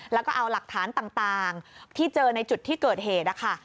แล้วก็เอาหลักฐานต่างที่เจอในจุดที่เกิดเหตุนะคะ